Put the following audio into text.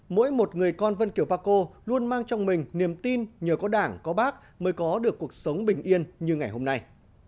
mỗi một người con vân kiểu paco luôn mang trong mình niềm tin nhờ có đảng có bác mới có được cuộc sống bình yên như ngày hôm nay